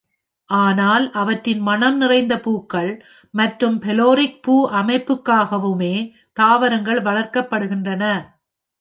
ஆனால் அவற்றின் மணம் நிறைந்த பூக்கள் மற்றும் பெலோரிக் பூ அமைப்புக்காகவுமே தாவரங்கள் வளர்க்கப்படுகின்றன.